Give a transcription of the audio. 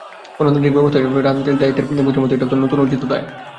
গণতান্ত্রিক ব্যবস্থায় রাজনৈতিক দায়িত্বের বোঝার মতো এটাও তার নতুন অর্জিত দায়।